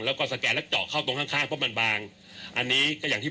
แล้วก็สแกนแล้วเจาะเข้าตรงข้างข้างเพราะมันบางอันนี้ก็อย่างที่